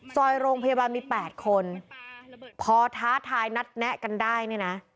ซอยโรงพยาบาลมี๘คนพอท้าทายนัดแนะกันได้เนี่ยนะ